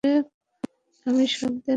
আমি সব দেনা পরিশোধ করেছি।